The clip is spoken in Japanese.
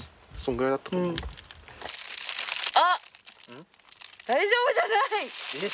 あっ大丈夫じゃない！